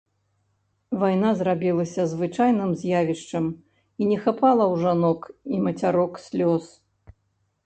Вайна зрабілася звычайным з'явішчам, і не хапала ў жонак і мацярок слёз.